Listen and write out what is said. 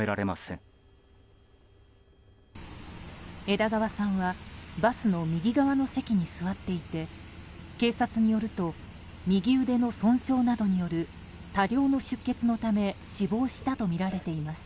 枝川さんはバスの右側の席に座っていて警察によると右腕の損傷などによる多量の出血のため死亡したとみられています。